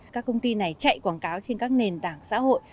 các công ty này chạy quảng cáo trên các nền tảng xã hội